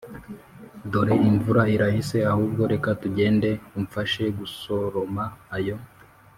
dore imvura irahise, ahubwo reka tugende umfashe gusoroma ayo